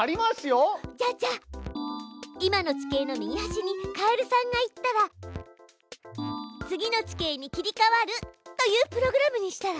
じゃあじゃあ今の地形の右はしにカエルさんが行ったら次の地形に切りかわるというプログラムにしたら？